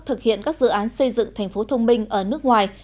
thực hiện các dự án xây dựng thành phố thông minh ở nước ngoài